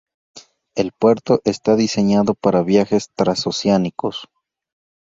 El puerto está diseñado para viajes transoceánicos.